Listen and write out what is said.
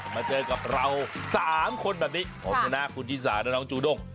มาเจอกับเรา๓คนแบบนี้ผมชนะคุณชิสาและน้องจูด้ง